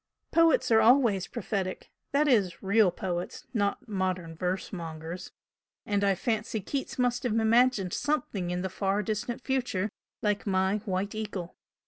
"Poets are always prophetic, that is, REAL poets, not modern verse mongers; and I fancy Keats must have imagined something in the far distant future like my 'White Eagle!'